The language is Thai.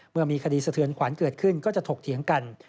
เมื่อมีคดีสะเทือนขวัญเกิดขึ้นก็จะถกเถียงกัน